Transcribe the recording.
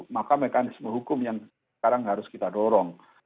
maka mekanisme hukum yang sekarang harus kita dorong